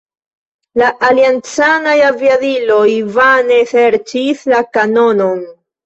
La aliancanaj aviadiloj vane serĉis la kanonon.